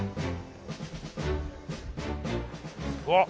うわっ！